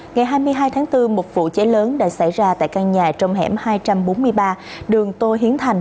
ngày hai mươi hai tháng bốn một vụ cháy lớn đã xảy ra tại căn nhà trong hẻm hai trăm bốn mươi ba đường tô hiến thành